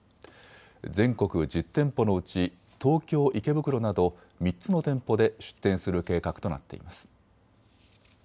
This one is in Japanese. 全国１０店舗のうち東京池袋など３つの店舗で出店する計画となっています。